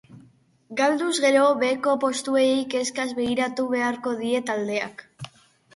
Galduz gero, beheko postuei kezkaz begiratu beharko die taldeak.